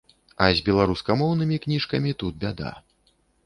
А з беларускамоўнымі кніжкамі тут бяда.